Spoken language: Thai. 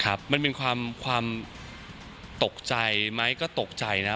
ครับมันเป็นความความตกใจไหมก็ตกใจนะ